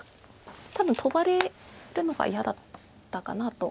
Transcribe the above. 多分トバれるのが嫌だったかなと。